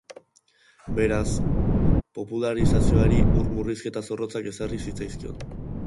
Beraz, populazioari ur murrizketa zorrotzak ezarri zitzaizkion.